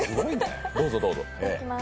どうぞどうぞ。